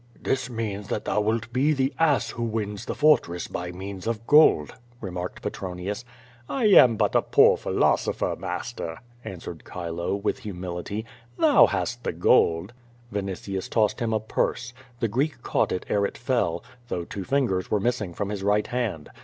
"This means that thou wilt be the ass who wins the fort ress by means of gold," remarked Petronius. "I am but a poor philosopher, master," answered Chilo, with humility. "Thou hast the gold." Vinitius tossed him a purse. The Oreek caught it ere it fell, though two fingers were missing from his right hand.